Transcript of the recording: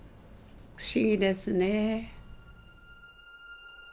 不思議ですねえ。